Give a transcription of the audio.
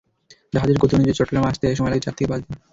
জাহাজের গতি অনুযায়ী চট্টগ্রাম আসতে সময় লাগে চার থেকে পাঁচ দিন।